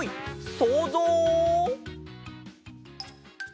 そうぞう！